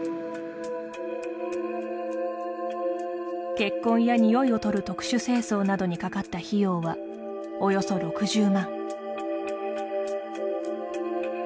血痕やにおいを取る特殊清掃などにかかった費用はおよそ６０万。